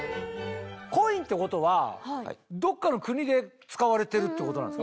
コインってことはどっかの国で使われてるってことなんですか？